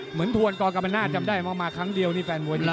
เหมือนทวนกรกรรมนาธิ์จำได้มามาครั้งเดียวนี่แฟนมวยนี้ค่ะ